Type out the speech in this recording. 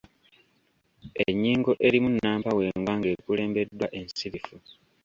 Ennyingo erimu nnampawengwa ng’ekulembeddwa ensirifu.